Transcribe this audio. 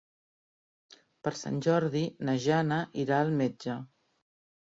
Per Sant Jordi na Jana irà al metge.